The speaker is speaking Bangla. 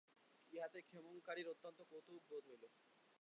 ইহাতে ক্ষেমংকরীর অত্যন্ত কৌতুক বোধ হইল।